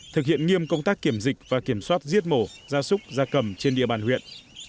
thực hiện nghiêm công tác kiểm dịch và kiểm soát giết mổ gia súc gia cầm trên địa bàn huyện